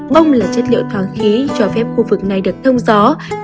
bông là chất liệu thoáng khí cho phép khu vực này được thông gió